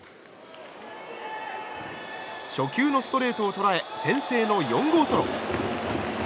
初球のストレートを捉え先制の４号ソロ。